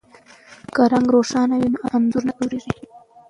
که رنګ روښانه وي نو انځور نه توریږي.